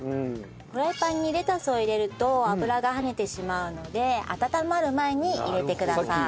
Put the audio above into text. フライパンにレタスを入れると油が跳ねてしまうので温まる前に入れてください。